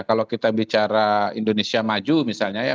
kalau kita bicara indonesia maju misalnya ya